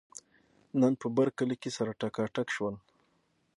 نن په برکلي کې سره ټکاټک شول.